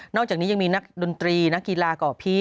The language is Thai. อกจากนี้ยังมีนักดนตรีนักกีฬาก่อพี่